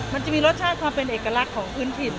มันจะมีรสชาติความเป็นเอกลักษณ์ของพื้นถิ่น